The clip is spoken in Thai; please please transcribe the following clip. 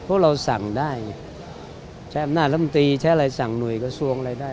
เพราะเราสั่งได้ใช้อำนาจลำตีใช้อะไรสั่งหน่วยกระทรวงอะไรได้